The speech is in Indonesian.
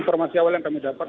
informasi awal yang kami dapat